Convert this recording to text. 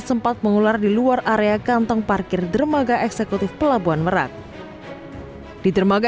sempat mengular di luar area kantong parkir dermaga eksekutif pelabuhan merak di dermaga